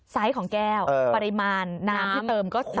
ไซส์ของแก้วปริมาณน้ำที่เติมก็สูง